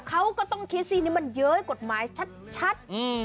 เขาก็ต้องคิดสินี่มันเย้ยกฎหมายชัด